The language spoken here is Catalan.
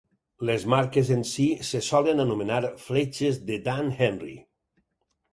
Les marques en si se solen anomenar "fletxes de Dan Henry".